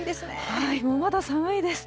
まだ寒いですね。